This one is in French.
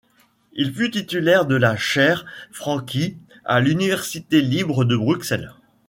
Il fut titulaire de la chaire Francqui à l’Université libre de Bruxelles.